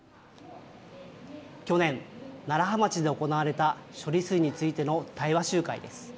去年、楢葉町で行われた処理水についての対話集会です。